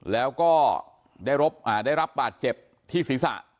แล้วก็ได้รับบาดเจ็บที่ศีรษะ